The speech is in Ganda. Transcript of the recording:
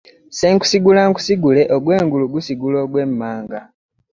Ssenkusigulankusigule ogw'engulu gusigula ogw'emmanga .